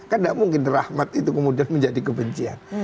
kan tidak mungkin rahmat itu kemudian menjadi kebencian